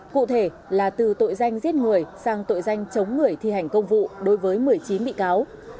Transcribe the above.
cụ thể là từ tội danh giết người sang tội danh chống người thi hành công vụ đối với một mươi chín bị cáo